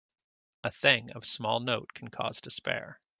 A thing of small note can cause despair.